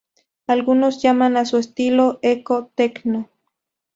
Algunos llaman a su estilo "eco-tecno".